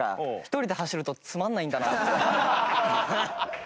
１人で走るとつまんないんだなって。